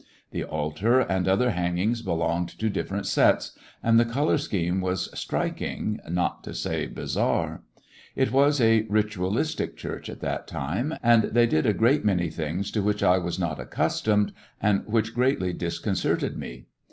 The altar and other hangings belonged to different sets, and the color scheme was striking, not to say bizarre. It was a ritualistic church at that time, and they did a great many things to which I was not accustomed and which greatly disconcerted me.